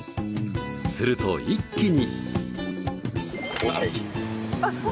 すると一気に。